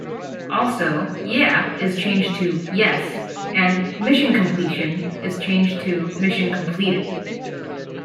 Also 'Yeah' is changed to 'Yes' and 'Mission Completion' is changed to 'Mission Completed'.